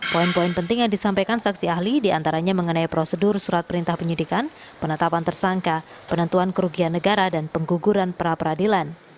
poin poin penting yang disampaikan saksi ahli diantaranya mengenai prosedur surat perintah penyidikan penetapan tersangka penentuan kerugian negara dan pengguguran pra peradilan